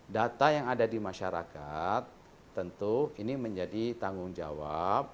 data yang ada di masyarakat tentu ini menjadi tanggung jawab